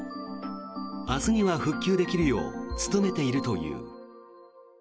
明日には復旧できるよう努めているという。